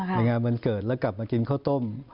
ในงานวันเกิดแล้วกลับมากินข้าวต้ม